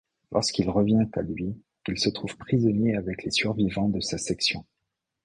Lorsqu'il revient à lui, il se trouve prisonnier avec les survivants de sa section.